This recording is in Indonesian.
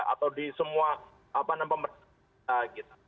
atau di semua pemerintah gitu